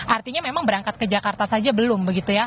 artinya memang berangkat ke jakarta saja belum begitu ya